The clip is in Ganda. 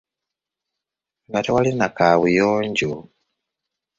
Nga tewali na kaabuyonjo.